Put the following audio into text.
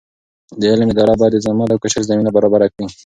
د علم اداره باید د زحمت او کوشش زمینه برابره کړي.